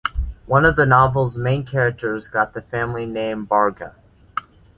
One of the novel's main characters got the family name "Barga".